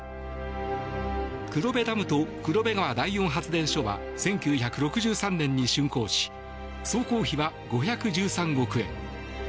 黒部ダムと黒部川第四発電所は１９６３年に竣工し総工費は５１３億円。